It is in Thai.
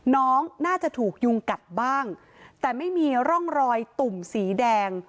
น้องน่าจะถูกยุงกัดบ้างแต่ไม่มีร่องรอยตุ่มสีแดง